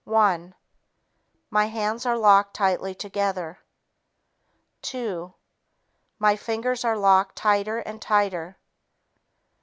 One ... My hands are locked tightly together. Two ... My fingers are locked tighter and tighter.